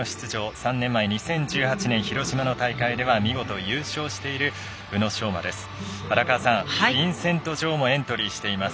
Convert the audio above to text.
３年前、２０１８年広島の大会では見事、優勝している宇野昌磨です。